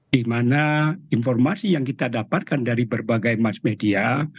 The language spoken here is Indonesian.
di mana informasi yang kita dapatkan dari berbagai mass media